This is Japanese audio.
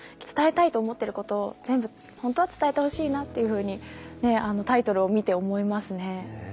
伝えたいと思ってることを全部本当は伝えてほしいなっていうふうにタイトルを見て思いますね。